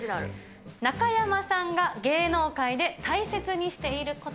中山さんが芸能界で大切にしていること。